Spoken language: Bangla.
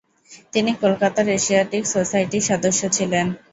তিনি কলকাতার এশিয়াটিক সোসাইটিরও সদস্য ছিলেন।